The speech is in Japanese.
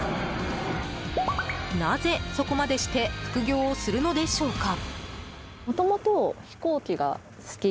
なぜ、そこまでして副業をするのでしょうか？